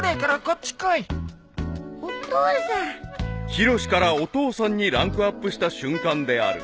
［ヒロシからお父さんにランクアップした瞬間である］